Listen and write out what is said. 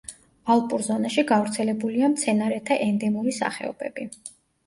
ალპურ ზონაში გავრცელებულია მცენარეთა ენდემური სახეობები.